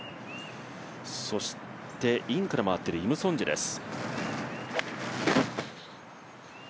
そしてインから回っているイムソンジェです。